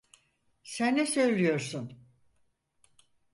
Sen ne söylüyorsun?